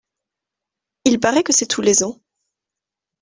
Il parait que c’est tous les ans.